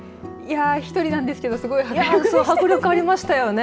１人なんですけどすごい迫力ありましたよね。